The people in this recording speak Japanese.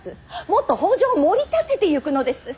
もっと北条をもり立ててゆくのです！